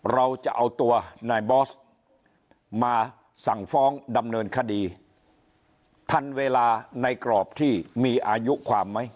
เราจะเอาตัวนายบอสมาสั่งฟ้องดำเนินคดีทันเวลาในกรอบที่มีอายุความไหม